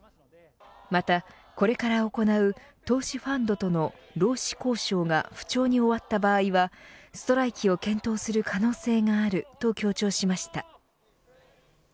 また、これから行う投資ファンドとの労使交渉が不調に終わった場合はストライキを検討する可能性があると強調しました。